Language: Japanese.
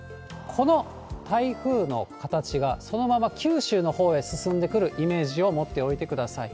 この台風の形がそのまま九州のほうへ進んでくるイメージを持っておいてください。